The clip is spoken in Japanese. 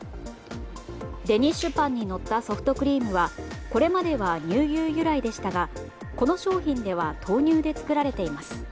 デニッシュパンにのったソフトクリームはこれまでは乳牛由来でしたがこの商品では豆乳で作られています。